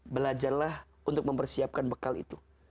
belajarlah untuk mempersiapkan bekal itu